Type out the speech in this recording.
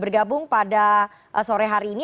bergabung pada sore hari ini